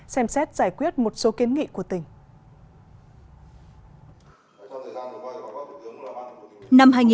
xem xét giải quyết một số kiến nghị của tỉnh